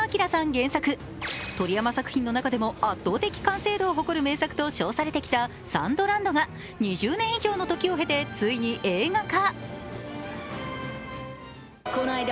原作、鳥山作品の中でも圧倒的な完成度を誇る名作と称されてきた「ＳＡＮＤＬＡＮＤ」が、２０年以上の時をへてついに映画化。